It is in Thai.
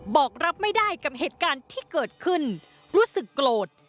บอกรับไม่ได้กับเหตุการณ์ที่เกิดขึ้นรู้สึกโกรธ